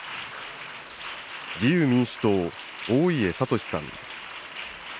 自由民主党、大家敏志さん。